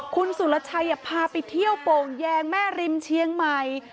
คุณสุรชัยพาไปเที่ยวโป่งแยงแม่ริมเชียงใหม่